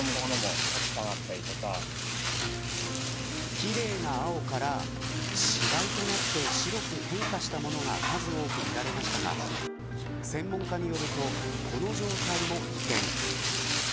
奇麗な青から死骸となって白く変化したものが数多く見られましたが専門家によるとこの状態も危険。